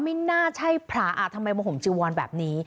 ไม่น่าใช่พระอ่ะทำไมมาห่มจีวอนแบบนี้